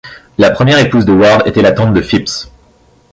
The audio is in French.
La première épouse de Ward était la tante de Phipps.